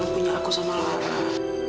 mama punya aku sama laura